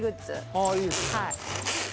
ああいいですね。